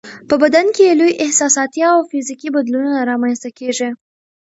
په بدن کې یې لوی احساساتي او فزیکي بدلونونه رامنځته کیږي.